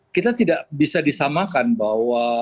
kita tidak bisa disamakan bahwa